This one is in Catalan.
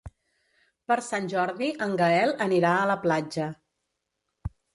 Per Sant Jordi en Gaël anirà a la platja.